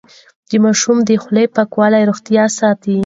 د ماشوم د خولې پاکوالی روغتيا ساتي.